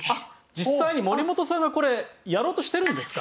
実際に森本さんがこれやろうとしてるんですか？